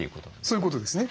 そういうことですね。